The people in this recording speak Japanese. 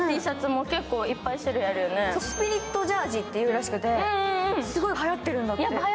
スピリットジャージーっていうらしくって、はやってるんだって。